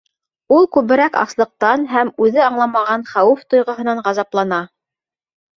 Ул күберәк аслыҡтан һәм үҙе аңламаған хәүеф тойғоһонан ғазаплана.